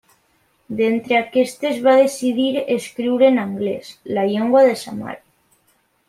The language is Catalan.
D'entre aquestes, va decidir escriure en anglès, la llengua de sa mare.